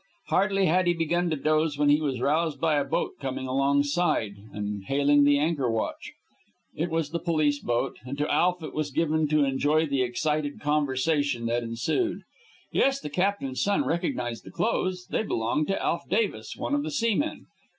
Hardly had he begun to doze when he was roused by a boat coming alongside and hailing the anchor watch. It was the police boat, and to Alf it was given to enjoy the excited conversation that ensued. Yes, the captain's son recognized the clothes. They belonged to Alf Davis, one of the seamen.